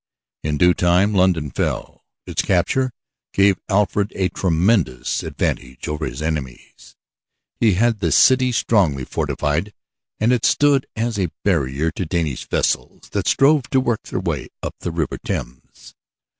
In due time London fell. Its capture gave Alfred a tremendous advantage over his enemies. He had the city strongly fortified and it stood as a barrier to Danish vessels that strove to work their way up the River Thames.